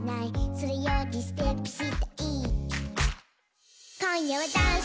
「それよりステップしたい」「ダンス！